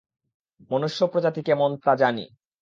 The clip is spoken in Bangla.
মনুষ্য প্রজাতি কেমন তা জানি!